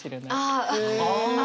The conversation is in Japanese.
ああ！